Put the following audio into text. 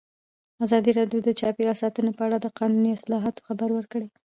ازادي راډیو د چاپیریال ساتنه په اړه د قانوني اصلاحاتو خبر ورکړی.